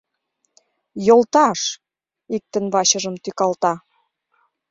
— Йолташ! — иктын вачыжым тӱкалта.